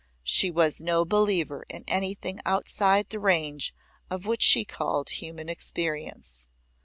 She was no believer in anything outside the range of what she called human experience.